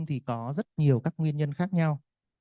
thì có rất nhiều các nguyên nhân khác nhau